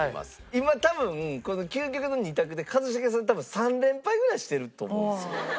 今多分この究極の２択で一茂さん多分３連敗ぐらいしてると思うんですよ。